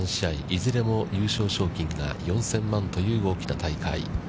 いずれも優勝賞金が４０００万という大きな大会。